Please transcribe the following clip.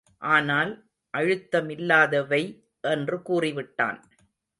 ஆனால் அழுத்தமில்லாதவை என்று கூறிவிட்டான்.